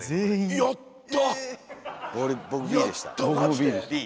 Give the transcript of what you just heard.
やった！